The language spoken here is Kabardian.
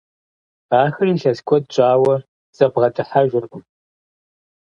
Ахэр илъэс куэд щӏауэ зыбгъэдыхьэжыркъым.